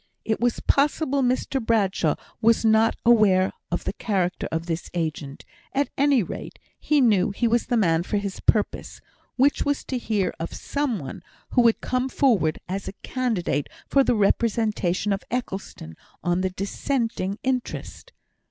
It was possible Mr Bradshaw was not aware of the character of this agent; at any rate, he knew he was the man for his purpose, which was to hear of some one who would come forward as a candidate for the representation of Eccleston on the Dissenting interest.